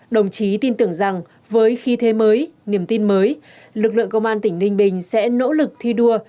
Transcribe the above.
đồng chí tin tưởng rằng với khí thế mới niềm tin mới lực lượng công an tỉnh ninh bình sẽ nỗ lực thi đua